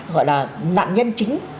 gọi là nạn nhân chính